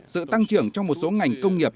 sự tăng trưởng trong một số ngành công nghiệp